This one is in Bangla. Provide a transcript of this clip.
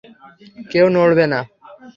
কেউ নড়বে না।